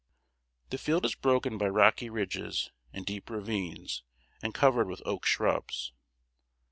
The field is broken by rocky ridges and deep ravines, and covered with oak shrubs.